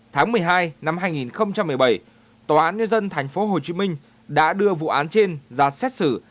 tháng một mươi hai năm hai nghìn một mươi bảy tòa án nhân dân thành phố hồ chí minh đã đưa vụ án trên ra xét xử